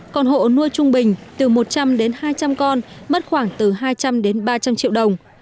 còn hộ nuôi trung bình từ một trăm linh đến hai trăm linh con mất khoảng từ hai trăm linh đến ba trăm linh triệu đồng